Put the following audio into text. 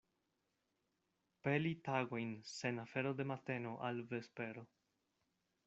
Peli tagojn sen afero de mateno al vespero.